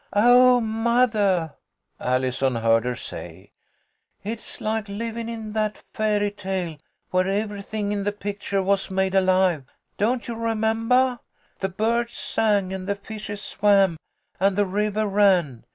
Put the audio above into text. " Oh, mothah," Allison heard her say, " it's like livin' in that fairy tale, where everything in the picture was made alive. Don't you remembah ? The birds sang, and the fishes swam, and the rivah ran.